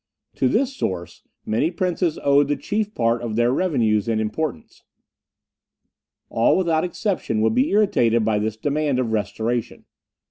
To this source, many princes owed the chief part of their revenues and importance. All, without exception, would be irritated by this demand for restoration.